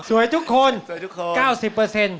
สวยทุกคน๙๐เปอร์เซ็นต์